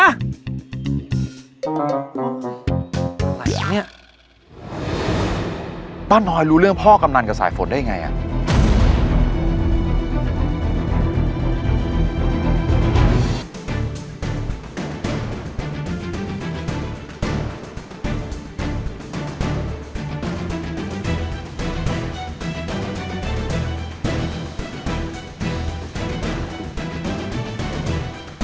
อะไรเนี่ยป้าน้อยรู้เรื่องพ่อกำนันกับสายฝนได้ไงอ่ะ